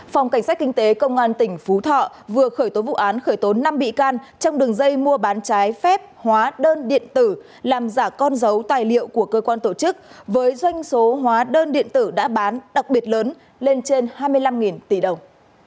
phòng cảnh sát kinh tế công an tỉnh phú thọ vừa khởi tố vụ án khởi tố năm bị can trong đường dây mua bán trái phép hóa đơn điện tử làm giả con dấu tài liệu của cơ quan tổ chức với doanh số hóa đơn điện tử đã bán đặc biệt lớn lên trên hai mươi năm tỷ đồng